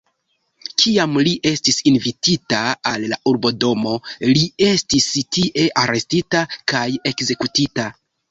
Kiam li estis invitita al la urbodomo, li estis tie arestita kaj ekzekutita.